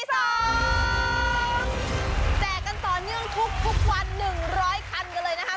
แจกกันต่อเนื่องทุกวัน๑๐๐คันกันเลยนะครับ